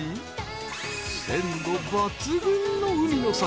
［鮮度抜群の海の幸。